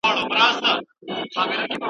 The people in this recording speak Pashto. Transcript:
د اولاد د نسب ثبوت د چا حق دی؟